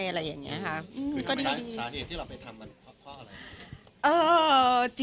สถานีที่เราไปทำมันเพราะอะไร